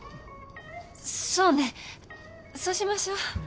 そうねそうしましょう。